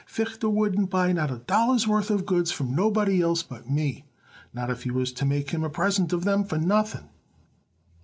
Fichter wouldn't buy not a dollar's worth of goods from nobody else but me, not if you was to make him a present of them for nothing."